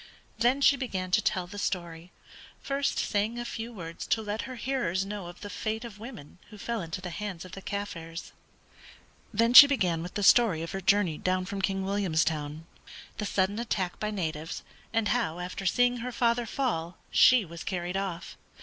Then she began to tell the story, first saying a few words to let her hearers know of the fate of women who fell into the hands of the Kaffirs. Then she began with the story of her journey down from King Williamstown, the sudden attack by natives, and how after seeing her father fall she was carried off.